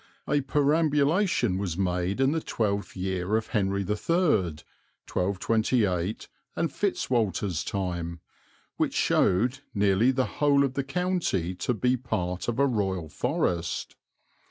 A perambulation was made in the twelfth year of Henry III (1228 and Fitz Walter's time), which showed nearly the whole of the county to be part of a Royal Forest.